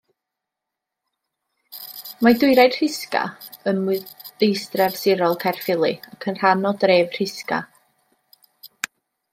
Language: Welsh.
Mae Dwyrain Rhisga ym mwrdeistref sirol Caerffili ac yn rhan o dref Rhisga.